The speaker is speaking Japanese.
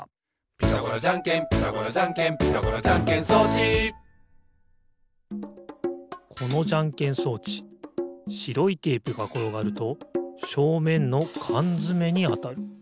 「ピタゴラじゃんけんピタゴラじゃんけん」「ピタゴラじゃんけん装置」このじゃんけん装置しろいテープがころがるとしょうめんのかんづめにあたる。